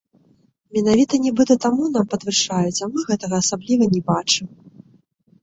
Менавіта, нібыта, таму нам падвышаюць, а мы гэтага асабліва не бачым.